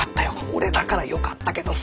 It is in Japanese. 俺だからよかったけどさ。